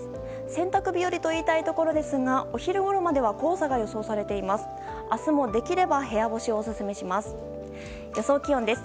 洗濯日和と言いたいところですがお昼ごろまでは黄砂が予想されています。